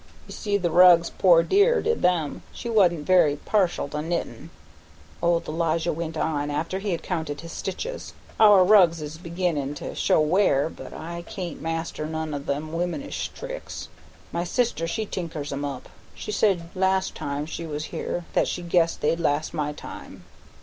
"You see the rugs, poor dear did them; she wa'n't very partial to knittin'," old Elijah went on, after he had counted his stitches. "Our rugs is beginnin' to show wear, but I can't master none o' them womanish tricks. My sister, she tinkers 'em up. She said last time she was here that she guessed they'd last my time."